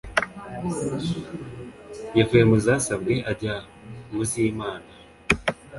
yavuye muzasabwe ajya muzimana